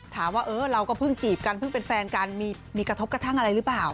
ถามว่าเออเราก็เพิ่งจีบกันเพิ่งเป็นแฟนกันมีกระทบกระทั่งอะไรหรือเปล่า